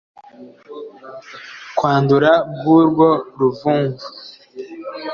kwandura bw urwo ruvumvu